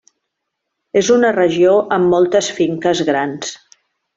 És una regió amb moltes finques grans.